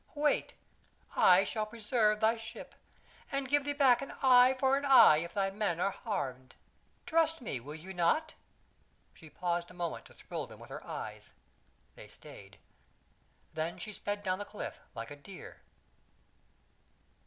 "Wait. I shall preserve thy ship, and give thee back an eye for an eye if thy men are harmed. Trust me, will ye not?" She paused a moment to thrill them with her eyes; they stayed. They she sped down the cliff like a deer.